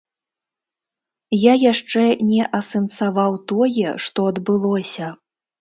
Я яшчэ не асэнсаваў тое, што адбылося.